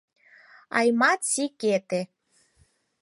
— Аймат-Си-Кете!..